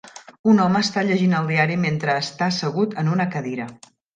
Un home està llegint el diari mentre està assegut en una cadira.